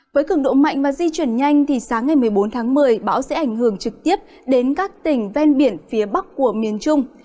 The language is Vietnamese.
với cường độ mạnh và di chuyển nhanh thì sáng ngày một mươi bốn tháng một mươi bão sẽ ảnh hưởng trực tiếp đến các tỉnh ven biển phía bắc của miền trung